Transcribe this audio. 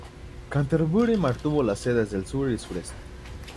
Canterbury mantuvo las sedes del sur y sureste.